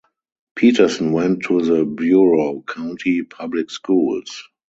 Peterson went to the Bureau County public schools.